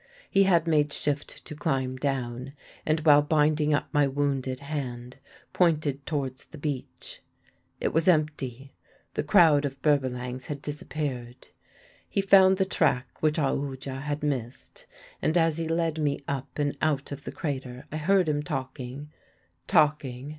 He had made shift to climb down, and while binding up my wounded hand pointed towards the beach. It was empty. The crowd of Berbalangs had disappeared. "He found the track which Aoodya had missed, and as he led me up and out of the crater I heard him talking talking.